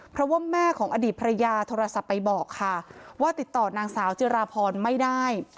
เพราะว่าแม่ของอดีตภรรยาโทรศัพท์ไปบอกค่ะว่าติดต่อนางสาวจิราพรไม่ได้